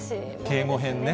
敬語編ね。